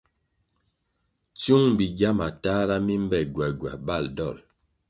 Tsyung bigya matahra mi mbe gwagwa bal dol.